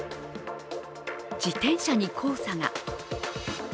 自転車に黄砂が。